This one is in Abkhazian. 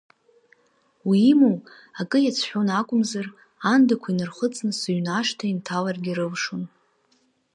Уимоу, акы иацәшәон акәымзар, аандақәа инырхыҵны сыҩны ашҭа инҭаларгьы рылшон.